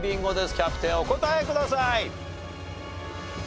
キャプテンお答えください。